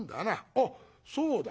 あっそうだ。